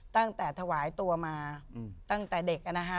ตั้งแต่ถวายตัวมาตั้งแต่เด็ก